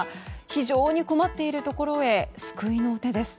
非常に困っているところへ救いの手です。